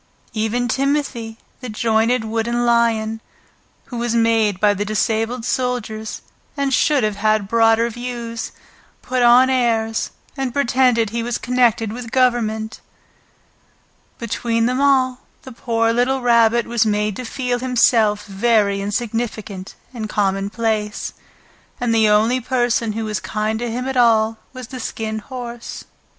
Even Timothy, the jointed wooden lion, who was made by the disabled soldiers, and should have had broader views, put on airs and pretended he was connected with Government. Between them all the poor little Rabbit was made to feel himself very insignificant and commonplace, and the only person who was kind to him at all was the Skin Horse.